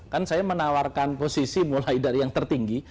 kan saya menawarkan posisi mulai dari yang tertinggi